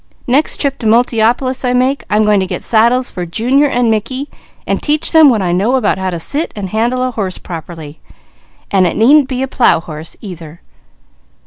Next trip to Multiopolis I make, I'm going to get saddles for Junior and Mickey and teach them what I know about how to sit and handle a horse properly; and it needn't be a plow horse either.